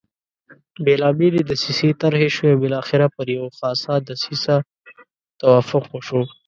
بېلابېلې دسیسې طرح شوې او بالاخره پر یوه خاصه دسیسه توافق وشو.